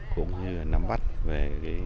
cũng như nắm bắt về